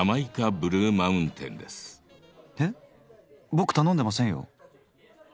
ボク頼んでませんよ。